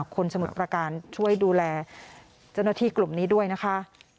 สมุทรประการช่วยดูแลเจ้าหน้าที่กลุ่มนี้ด้วยนะคะ